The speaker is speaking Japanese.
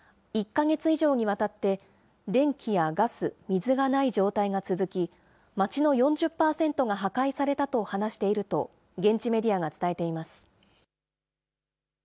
１か月以上にわたって電気やガス、水がない状態が続き、町の４０％が破壊されたと話していると、現地メディアが伝えています。